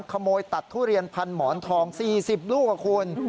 ขโมยตัดทุเรียนพันหมอนทอง๔๐ลูกคุณ